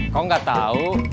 kau gak tau